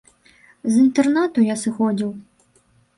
З інтэрнату я сыходзіў.